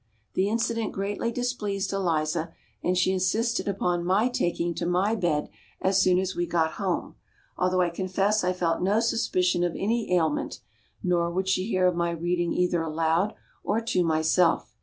The incident greatly displeased Eliza and she insisted upon my taking to my bed as soon as we got home, although I confess I felt no suspicion of any ailment, nor would she hear of my reading either aloud or to myself.